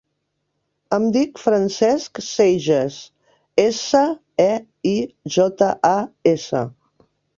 Em dic Francesc Seijas: essa, e, i, jota, a, essa.